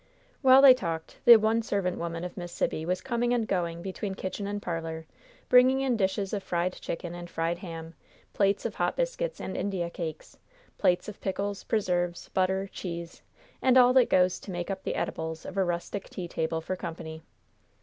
While they talked the one servant woman of Miss Sibby was coming and going between kitchen and parlor, bringing in dishes of fried chicken and fried ham, plates of hot biscuits and India cakes, plates of pickles, preserves, butter, cheese and all that goes to make up the edibles of a rustic tea table for company.